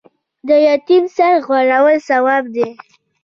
د یتیم سر غوړول ثواب دی